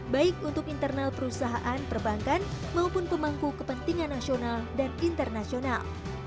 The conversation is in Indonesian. baik untuk internal perusahaan perbankan maupun pemangku kepentingan nasional dan internasional